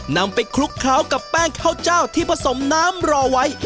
นำไปคลุกเคล้ากับแป้งข้าวเจ้าที่ผสมน้ำรอไว้